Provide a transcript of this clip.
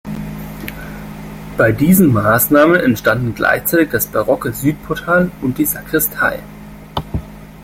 Bei diesen Maßnahmen entstanden gleichzeitig das barocke Südportal und die Sakristei.